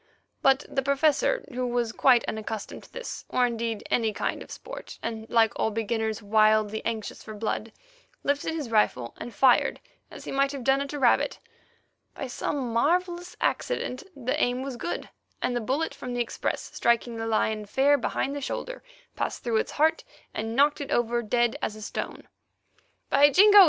But the Professor, who was quite unaccustomed to this, or, indeed, any kind of sport, and, like all beginners, wildly anxious for blood, lifted his rifle and fired, as he might have done at a rabbit. By some marvellous accident the aim was good, and the bullet from the express, striking the lion fair behind the shoulder, passed through its heart, and knocked it over dead as a stone. "By Jingo!